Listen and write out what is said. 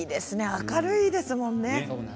明るいですもんね。